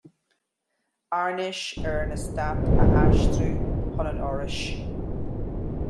Airnéis ar an Eastát a aistriú chun an Fhorais.